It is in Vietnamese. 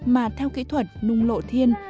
mà theo kỹ thuật nung lộ thiên